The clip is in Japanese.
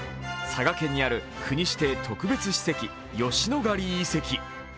佐賀県にある国指定特別史跡、吉野ヶ里遺跡。